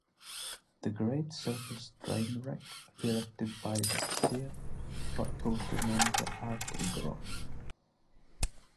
The Great Circus Trainwreck, directed by theatre faculty member Arthur Grothe.